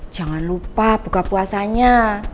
jangan lupa buka puasanya